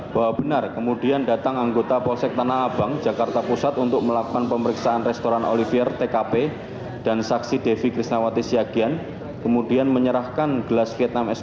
bahwa benar kemudian datang anggota posec tanah apang jakarta pusat untuk melakukan pemeriksaan restoran oliver tkp dan saksi devi kisnawati syakian kemudian menyerahkan gelas vietnam s a